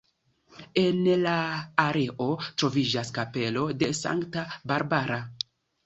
En la areo troviĝas kapelo de sankta Barbara.